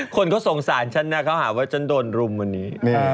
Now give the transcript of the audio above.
คนเขาสงสารฉันนะเขาหาว่าฉันโดนรุมวันนี้